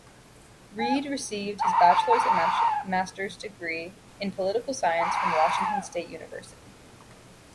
Reed received his bachelor's and master's degrees in political science from Washington State University.